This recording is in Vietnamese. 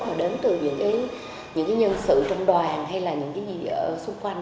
mà đến từ những nhân sự trong đoàn hay là những cái gì ở xung quanh